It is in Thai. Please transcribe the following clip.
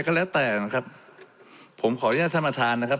ก็แล้วแต่นะครับผมขออนุญาตท่านประธานนะครับ